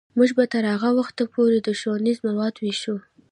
موږ به تر هغه وخته پورې ښوونیز مواد ویشو.